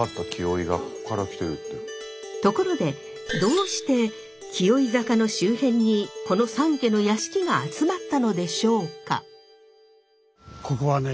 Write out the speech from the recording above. ところでどうして紀尾井坂の周辺にこの三家の屋敷が集まったのでしょうか？